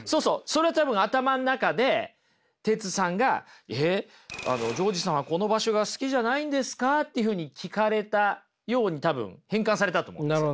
それは多分頭の中でテツさんが「えっジョウジさんはこの場所が好きじゃないんですか？」っていうふうに聞かれたように多分変換されたと思うんです。